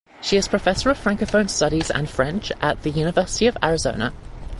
She is Professor of Francophone Studies and French at the University of Arizona.